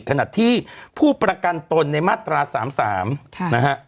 ขณะที่ผู้ประกันตนในมาตรา๓๓นะฮะ